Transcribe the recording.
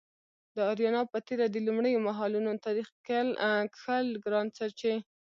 د اریانا په تیره د لومړیو مهالونو تاریخ کښل ګران څه چې